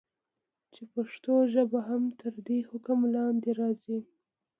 چې پښتو ژبه هم تر دي حکم لاندي راځي.